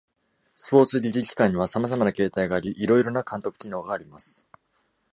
スポーツ理事機関にはさまざまな形態があり、色々な監督機能があります。